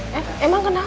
mada itu toko siapa